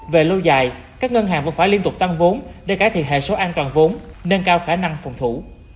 về lâu dài các ngân hàng vẫn phải liên tục tăng vốn để cải thiện hệ số an toàn vốn nâng cao khả năng phòng thủ